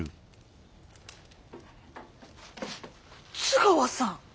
津川さん！